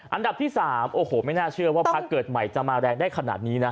อันดับที่๓โอ้โหไม่น่าเชื่อว่าพักเกิดใหม่จะมาแรงได้ขนาดนี้นะ